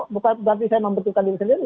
bukan berarti saya membutuhkan diri sendiri